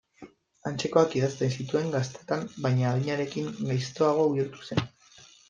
Antzekoak idazten zituen gaztetan baina adinarekin gaiztoago bihurtu zen.